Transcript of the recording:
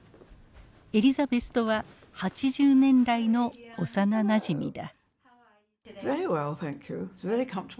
エリザベスとは８０年来の幼なじみだ。